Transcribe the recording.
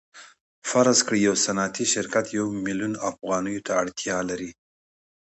فرض کړئ یو صنعتي شرکت یو میلیون افغانیو ته اړتیا لري